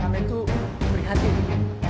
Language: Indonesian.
anda itu berhati hati